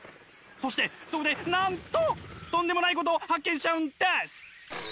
そしてそこでなんととんでもないことを発見しちゃうんです！